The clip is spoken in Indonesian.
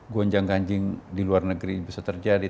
gonjang ganjing di luar negeri bisa terjadi